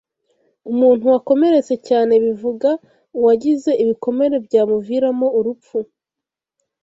umuntu wakomeretse cyane bivuga uwagize ibikomere byamuviramo urupfu